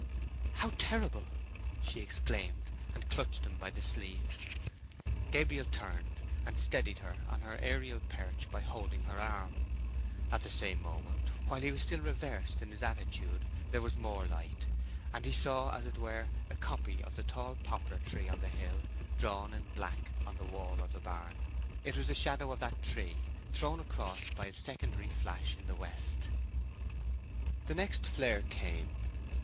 "How terrible!" she exclaimed, and clutched him by the sleeve. Gabriel turned, and steadied her on her aerial perch by holding her arm. At the same moment, while he was still reversed in his attitude, there was more light, and he saw, as it were, a copy of the tall poplar tree on the hill drawn in black on the wall of the barn. It was the shadow of that tree, thrown across by a secondary flash in the west. The next flare came.